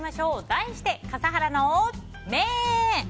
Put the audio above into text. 題して笠原の眼！